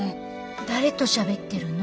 誰としゃべってるの？